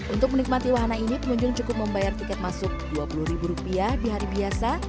untuk menikmati wahana ini pengunjung cukup membayar tiket masuk rp dua puluh ribu rupiah di hari biasa